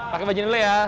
pakai baju ini dulu ya